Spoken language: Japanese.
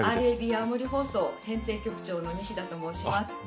青森放送編成局長の西田と申します。